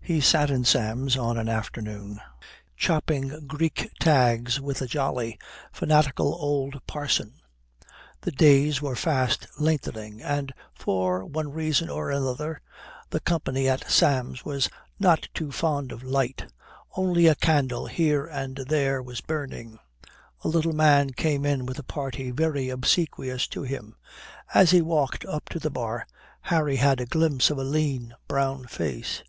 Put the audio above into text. He sat in Sam's on an afternoon chopping Greek tags with a jolly, fanatical old parson. The days were fast lengthening, and for one reason or another the company at Sam's were not too fond of light only a candle here and there was burning. A little man came in with a party very obsequious to him. As he walked up to the bar Harry had a glimpse of a lean, brown face.